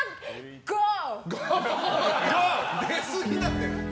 ゴー！